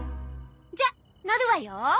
じゃ乗るわよ。